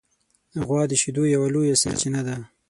غوا د شیدو یوه لویه سرچینه ده.